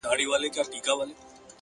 جنگ روان ـ د سولي په جنجال کي کړې بدل؛